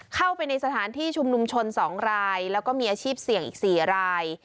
เข้าไปในสถานที่ชุมนุมชน๒รายแล้วก็มีอาชีพเสี่ยงอีก๔ราย